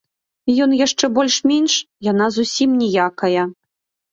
Ён яшчэ больш-менш, яна зусім ніякая.